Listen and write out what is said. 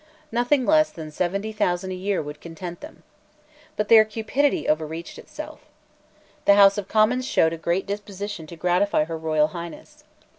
Nothing less than seventy thousand a year would content them. But their cupidity overreached itself. The House of Commons showed a great disposition to gratify Her Royal Highness.